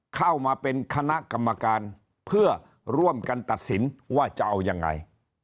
เข้ามาเป็นคณะกรรมการเพื่อร่วมกันตัดสินว่าจะเอายังไง